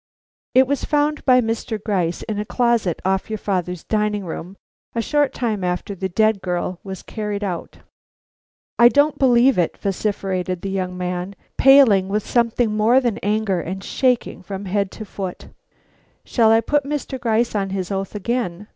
"It was found by Mr. Gryce in a closet off your father's dining room, a short time after the dead girl was carried out." "I don't believe it," vociferated the young man, paling with something more than anger, and shaking from head to foot. "Shall I put Mr. Gryce on his oath again?"